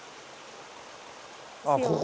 あっここ？